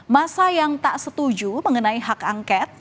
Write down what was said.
masa yang tak setuju mengenai hak angket